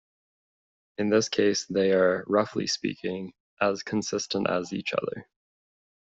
In this case, they are, roughly speaking, "as consistent as each other".